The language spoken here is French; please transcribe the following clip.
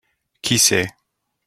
Qui sait ?